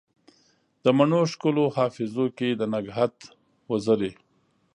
د مڼو ښکلو حافظو کې دنګهت وزرې